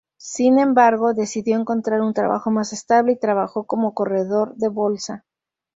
Sin embargo, decidió encontrar un trabajo más estable, y trabajó cómo corredor de bolsa.